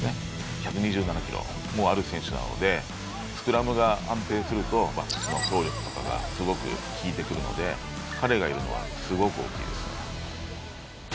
１２７キロもある選手なのでスクラムが安定するとバックスの走力とかがすごく効いてくるので彼がいるのはすごく大きいですね。